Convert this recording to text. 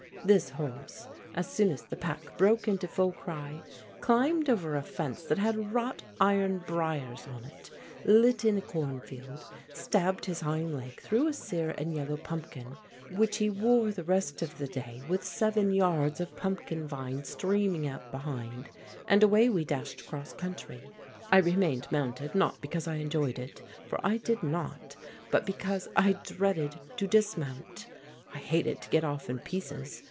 This horse, as soon as the pack broke into full cry, climbed over a fence that had wrought iron briers on it, lit in a corn field, stabbed his hind leg through a sere and yellow pumpkin, which he wore the rest of the day, with seven yards of pumpkin vine streaming out behind, and away we dashed 'cross country. I remained mounted not because I enjoyed it, for I did not, but because I dreaded to dismount. I hated to get off in pieces.